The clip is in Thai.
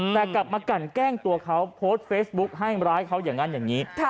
แต่กลับมากันแกล้งตัวเขาโพสต์เฟซบุ๊กให้ร้ายเขาอย่างนั้นอย่างนี้